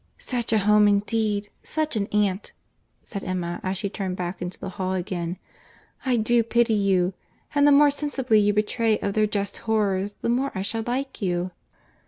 "Such a home, indeed! such an aunt!" said Emma, as she turned back into the hall again. "I do pity you. And the more sensibility you betray of their just horrors, the more I shall like you."